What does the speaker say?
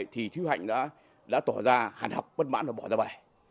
thì tiêu hạnh đã tỏ ra hàn hập bất mãn và bỏ ra bẻ